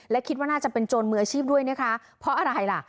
และคิดว่าน่าจะเป็นโจรมืออาชีพด้วยนะคะเพราะอะไรล่ะ